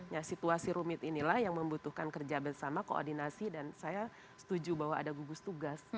nah situasi rumit inilah yang membutuhkan kerja bersama koordinasi dan saya setuju bahwa ada gugus tugas